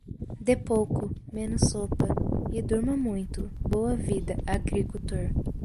Dê pouco, menos sopa e durma muito, boa vida, agricultor.